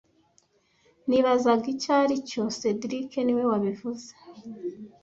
Nibazaga icyo aricyo cedric niwe wabivuze